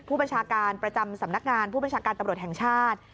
ผู้บัญชาการประจำสำนักงานผู้บัญชาการตำรวจแห่งชาติ